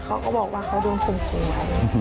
เขาก็บอกว่าเขาโดนฝุ่งโกรธ